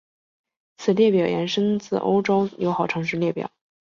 此列表延伸自欧洲友好城市列表。